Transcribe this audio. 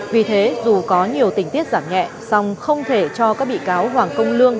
vì thế dù có nhiều tình tiết giảm nhẹ song không thể cho các bị cáo hoàng công lương